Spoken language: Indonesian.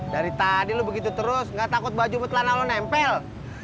dari tadi lo begitu terus gak takut baju betahana lo nempel